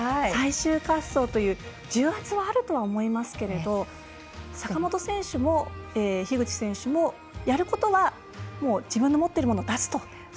最終滑走という重圧もあるとは思いますけど坂本選手も樋口選手もやることは自分の持っているものを出すと。